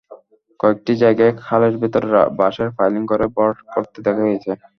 কয়েকটি জায়গায় খালের ভেতরে বাঁশের পাইলিং করে ভরাট করতে দেখা গেছে।